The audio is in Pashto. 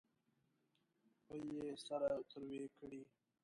پۍ یې سره تروې کړې.